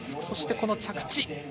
そして、この着地。